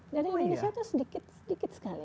dari indonesia itu sedikit sedikit sekali